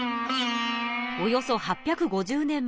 およそ８５０年前。